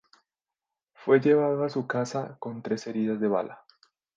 Fue llevado a su casa con tres heridas de bala.